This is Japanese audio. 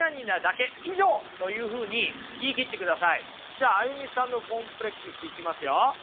じゃあＡＹＵＭＩさんのコンプレックスいきますよ。